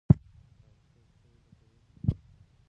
ایا ستاسو چای به تیار نه وي؟